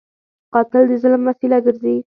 قاتل د ظلم وسیله ګرځي